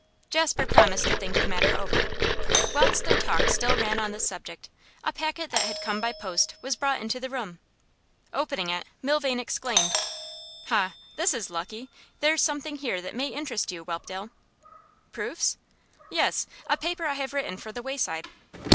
Jasper promised to think the matter over. Whilst their talk still ran on this subject, a packet that had come by post was brought into the room. Opening it, Milvain exclaimed: 'Ha! this is lucky. There's something here that may interest you, Whelpdale.' 'Proofs?' 'Yes. A paper I have written for The Wayside.